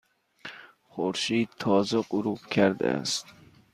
خورشید تازه غروب کرده است.